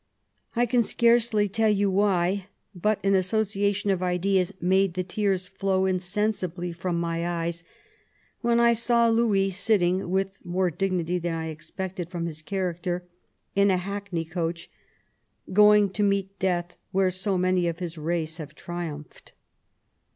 I can scarcely t^ll you why, but an association of ideas made the tears flow insensibly from my eyes, when I saw Louis sitting, with more dignity than I expected from his character, in a hackney coach, going to meet death where so many of his race have triumphed.